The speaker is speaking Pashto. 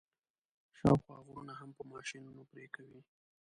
شاوخوا غرونه هم په ماشینونو پرې کوي.